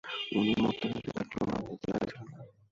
উনি মরতে রাজি থাকলেও নাম বলতে রাজি ছিলেন না।